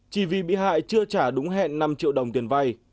chỉ vì bị hại chưa trả đúng hẹn năm triệu đồng tiền vay